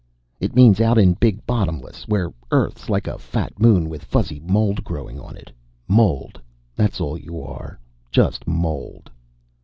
It means out in Big Bottomless, where Earth's like a fat moon with fuzzy mold growing on it. Mold, that's all you are, just mold.